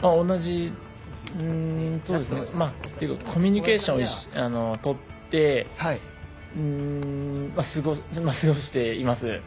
コミュニケーションをとって過ごしています。